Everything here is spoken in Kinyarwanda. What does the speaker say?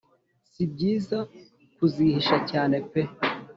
sibyiza kuzihisha cyane pe.